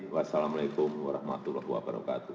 wassalamu'alaikum warahmatullahi wabarakatuh